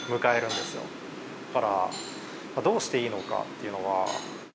だからどうしていいのかっていうのは。